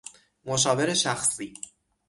مشاور شخصی